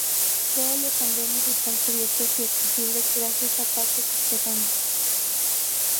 Todos los andenes están cubiertos y accesibles gracias a pasos subterráneos.